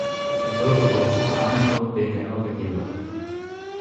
Dibe ku ev bersiva min, wek pêkenokekê be